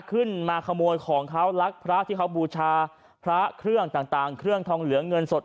ขึ้นมาขโมยของเขารักพระที่เขาบูชาพระเครื่องต่างเครื่องทองเหลืองเงินสด